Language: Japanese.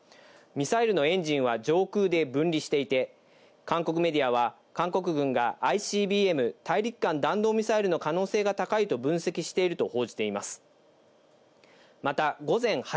ミサイルのエンジンは上空で分離していて、韓国メディアは韓国軍がＩＣＢＭ＝大陸間弾道ミサイルの可能性が高いと分析していると報じています。